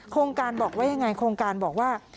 โครงการบอกว่ายังไงโครงการบอกว่า